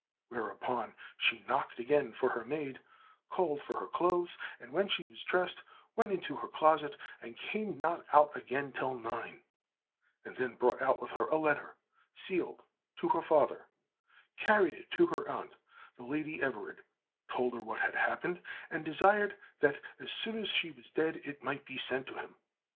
Whereupon, she knocked again for her maid, called for her clothes, and when she was dressed, went into her closet, and came not out again till nine, and then brought out with her a letter, sealed, to her father, carried it to her aunt, the Lady Everard, told her what had happened, and desired that as soon as she was dead it might be sent to him.